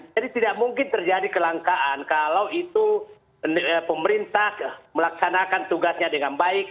jadi tidak mungkin terjadi kelangkaan kalau itu pemerintah melaksanakan tugasnya dengan baik